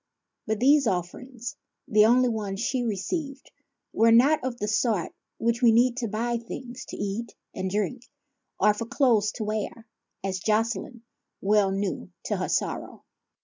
But these offerings, the only ones she received, were not of that sort which we need to buy things to eat and drink or for clothes to wear, as Jocelyne well knew, to her sorrow.